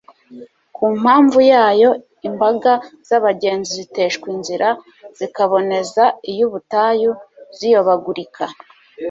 ku mpamvu yayo, imbaga z'abagenzi ziteshwa inzira, zikaboneza iy'ubutayu, ziyobagurika